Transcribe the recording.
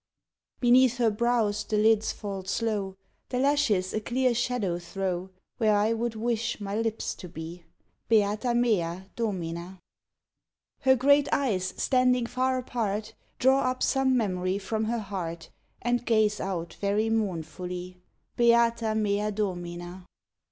_ Beneath her brows the lids fall slow. The lashes a clear shadow throw Where I would wish my lips to be. Beata mea Domina! Her great eyes, standing far apart, Draw up some memory from her heart, And gaze out very mournfully; _Beata mea Domina!